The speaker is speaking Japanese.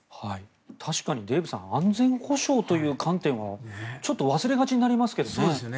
確かにデーブさん安全保障という観点はちょっと忘れがちになりますけどね。